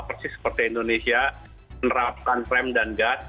persis seperti indonesia menerapkan prem dan gas